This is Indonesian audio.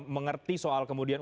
mengerti soal kemudian